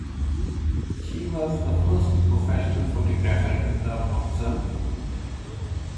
She was the first professional photographer in Bautzen.